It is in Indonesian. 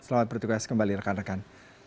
selamat bertugas kembali rekan rekan